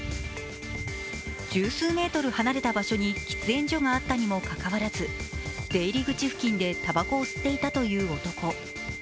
十数メートル離れた場所に喫煙所があったにもかかわらず、出入り口付近でたばこを吸っていたという男。